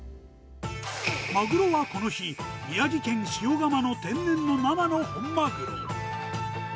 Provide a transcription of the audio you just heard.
マグロはこの日、宮城県塩釜の天然の生の本マグロ。